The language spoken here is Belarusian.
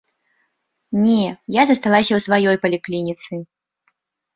Не, я засталася ў сваёй паліклініцы.